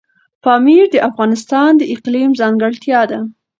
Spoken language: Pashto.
پامیر د افغانستان د اقلیم ځانګړتیا ده.